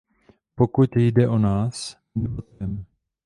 Pokud jde o nás, my debatujeme.